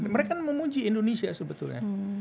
mereka memuji indonesia sebetulnya